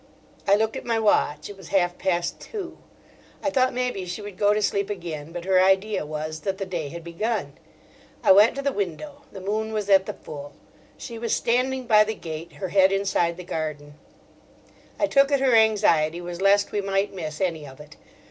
I looked at my watch; it was half past two. I thought maybe she would go to sleep again, but her idea was that the day had begun. I went to the window, the moon was at the full. She was standing by the gate, her head inside the garden; I took it her anxiety was lest we might miss any of it.